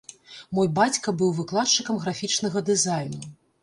Мой бацька быў выкладчыкам графічнага дызайну.